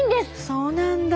そうなんだ。